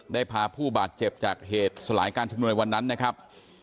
ได้พาผู้บาดเจ็บจากเหตุสลายการชุมนุมในวันนั้นนะครับ